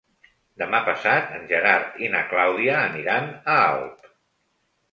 Demà passat en Gerard i na Clàudia aniran a Alp.